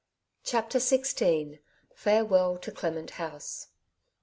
175 CHAPTER XVI. FAREWELL TO CLEMENT HOUSE.